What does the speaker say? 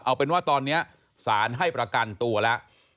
เอาเป็นว่าตอนนี้สารให้ประกันตัวแล้ว